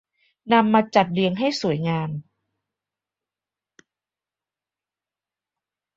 นำมาจัดเรียงให้สวยงาม